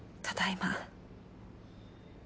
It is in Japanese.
ただいま。